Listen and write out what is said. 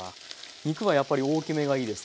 肉はやっぱり大きめがいいですか？